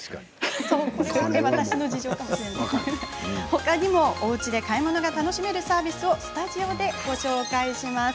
ほかにもおうちで買い物が楽しめるサービスをスタジオでご紹介します。